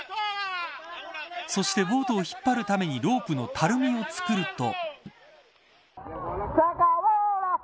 そしてボートを引っ張るためにロープのたるみを作ると。